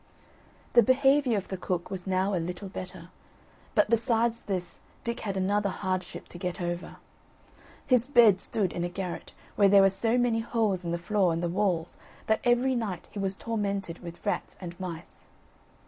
The behaviour of the cook was now a little better; but besides this Dick had another hardship to get over. His bed stood in a garret, where there were so many holes in the floor and the walls that every night he was tormented with rats and mice.